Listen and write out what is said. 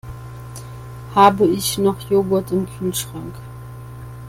Habe ich noch Joghurt im Kühlschrank?